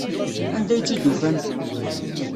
Anda ay tt-id-ufan?